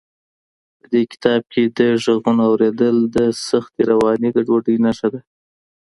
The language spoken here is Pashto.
په دې کتاب کې د غږونو اورېدل د سختې رواني ګډوډۍ نښه ده.